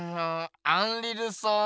アンリ・ルソー